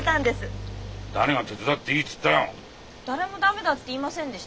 誰も「駄目だ」って言いませんでしたよ。